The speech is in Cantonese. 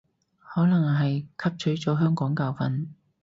可能係汲取咗香港教訓